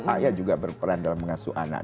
ayah juga berperan dalam mengasuh anak